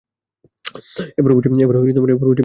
এবার বুঝি সময় এল।